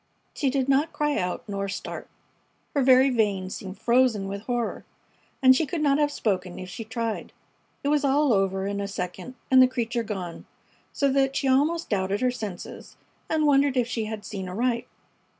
She did not cry out nor start. Her very veins seemed frozen with horror, and she could not have spoken if she tried. It was all over in a second and the creature gone, so that she almost doubted her senses and wondered if she had seen aright.